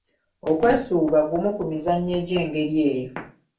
"Okwesuuba, gumu ku mizannyo egy’engeri eyo."